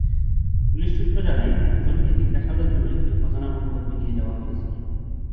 Police সূত্র জানায়, দুজনকে জিজ্ঞাসাবাদের জন্য একটি অজানা গন্তব্যে নিয়ে যাওয়া হয়েছিল।